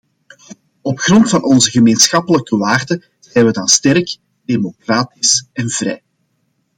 Op grond van onze gemeenschappelijke waarden zijn we dan sterk, democratisch en vrij.